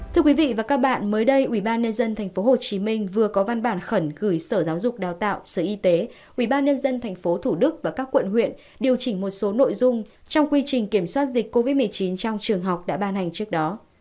thưa quý vị và các bạn mới đây ubnd tp hcm vừa có văn bản khẩn gửi sở giáo dục đào tạo sở y tế ubnd tp thủ đức và các quận huyện điều chỉnh một số nội dung trong quy trình kiểm soát dịch covid một mươi chín trong trường học đã ban hành trước đó